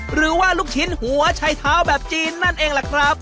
หรือว่าลูกชิ้นหัวชัยเท้าแบบจีนนั่นเองล่ะครับ